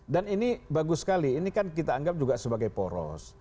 dan ini bagus sekali ini kan kita anggap juga sebagai poros